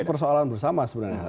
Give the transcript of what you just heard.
ini persoalan bersama sebenarnya